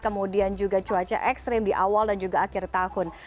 kemudian juga cuaca ekstrim di awal dan juga akhir tahun